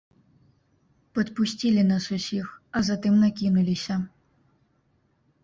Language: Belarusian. Падпусцілі нас усіх, а затым накінуліся.